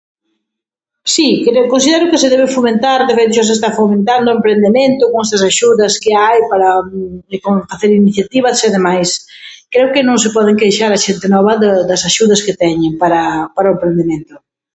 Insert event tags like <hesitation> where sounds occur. Si, cre- considero que de debe fomentar, deberíase estar fomentando o emprendemento con esas axudas que hai para <hesitation> facer iniciativas e demais. Creo que no se poden queixar a xente nova da das axudas que teñen para para o emprendemento.